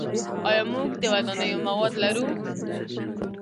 آیا موږ د ودانیو مواد لرو؟